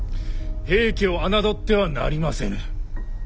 平家を侮ってはなりませぬ。